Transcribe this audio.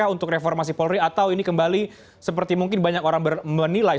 untuk reformasi polri atau ini kembali seperti mungkin banyak orang menilai